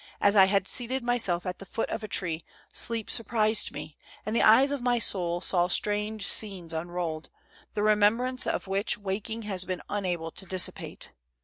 As I had seated myself at the foot of a tree, sleep surprised me and the eyes of my soul saw strange scenes unrolled, the remembrance of which waking has been unable to dissipate.